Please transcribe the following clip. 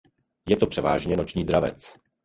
Je to převážně noční dravec.